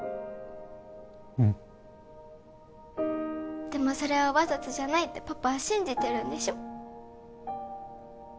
うんでもそれはわざとじゃないってパパは信じてるんでしょ？